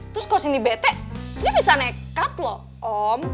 terus kalau sindi bete sindi bisa nekat loh om